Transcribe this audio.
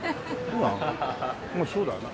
まあそうだよな。